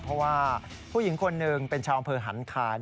เพราะว่าผู้หญิงคนหนึ่งเป็นชาวอำเภอหันคา